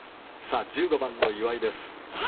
１５番の岩井です。